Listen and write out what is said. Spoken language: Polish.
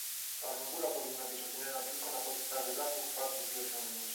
Czarnogóra powinna być oceniana tylko na podstawie zasług, faktów i osiągnięć